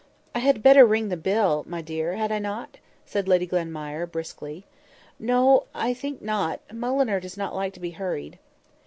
"I had better ring the bell, my dear, had not I?" said Lady Glenmire briskly. "No—I think not—Mulliner does not like to be hurried."